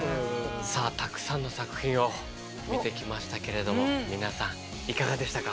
さあたくさんの作品を見てきましたけれども皆さんいかがでしたか？